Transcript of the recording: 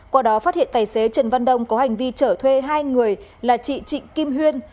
qua đó phát hiện tài xế trần văn đông có hành vi chở thuê hai người là chị trịnh kim huyên